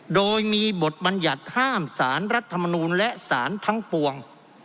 โดยมีบทบัญญัติห้ามสารรัฐมนูลและสารทั้งปวง